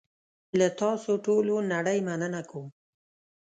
له تاسوټولونړۍ مننه کوم .